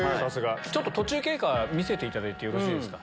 途中経過見せていただいてよろしいですか？